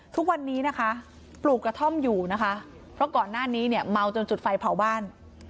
ทุกวันนี้นะคะปลูกกระท่อมอยู่นะคะเพราะก่อนหน้านี้เนี่ยเมาจนจุดไฟเผาบ้าน